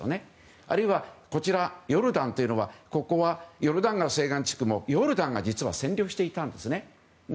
あるいは、ヨルダンというのはヨルダン川西岸地区もヨルダンが実は占領していたんですね。